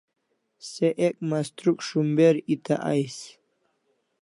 Se ek mastruk shumber eta ais